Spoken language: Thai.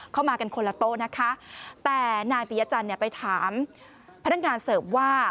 เข้ามากันคนละโต๊ะนะคะแต่นายปียจันทร์เนี่ยไปถามพนักงานเสิร์ฟว่า